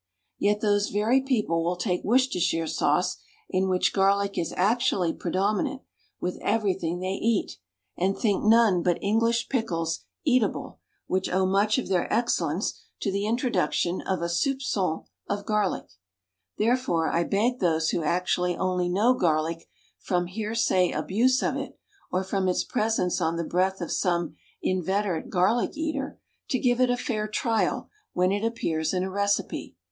Yet those very people will take Worcestershire sauce, in which garlic is actually predominant, with everything they eat; and think none but English pickles eatable, which owe much of their excellence to the introduction of a soupçon of garlic. Therefore I beg those who actually only know garlic from hearsay abuse of it, or from its presence on the breath of some inveterate garlic eater, to give it a fair trial when it appears in a recipe.